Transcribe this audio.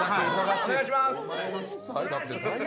お願いします。